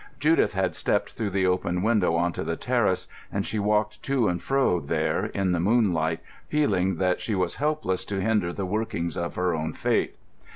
Judith had stepped through the open window on to the terrace, and she walked to and fro there in the moonlight, feeling that she was helpless to hinder the workings of her own fate.